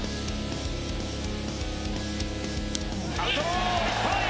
アウトローいっぱい！